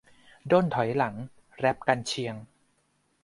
- ด้นถอยหลัง แร็ปกรรเชียง